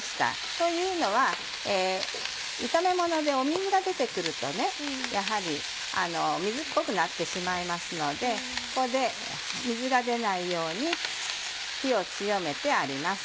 というのは炒めもので水が出て来るとやはり水っぽくなってしまいますのでここで水が出ないように火を強めてあります。